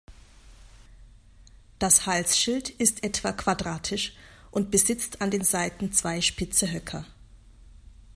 Das Halsschild ist etwa quadratisch und besitzt an den Seiten zwei spitze Höcker.